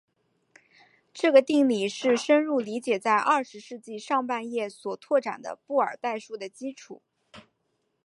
这个定理是深入理解在二十世纪上半叶所拓展的布尔代数的基础。